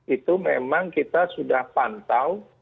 itu memang kita sudah pantau